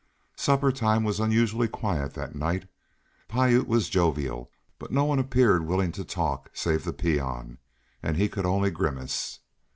Supper time was unusually quiet that night. Piute was jovial, but no one appeared willing to talk save the peon, and he could only grimace.